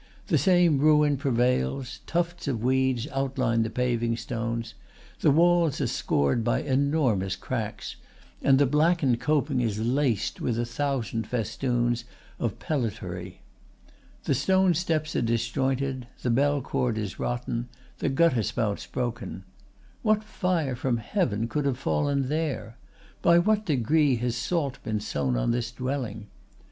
The same ruin prevails. Tufts of weeds outline the paving stones; the walls are scored by enormous cracks, and the blackened coping is laced with a thousand festoons of pellitory. The stone steps are disjointed; the bell cord is rotten; the gutter spouts broken. What fire from heaven could have fallen there? By what decree has salt been sown on this dwelling?